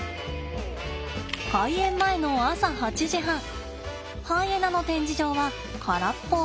開園前の朝８時半ハイエナの展示場は空っぽ。